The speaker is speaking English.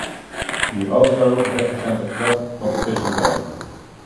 He also represented Club competition there.